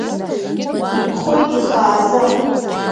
Иԥхоит ихааӡа.